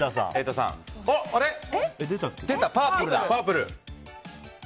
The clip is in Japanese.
出た、パープルだ。